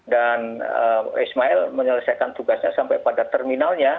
dan ismail menyelesaikan tugasnya sampai pada terminalnya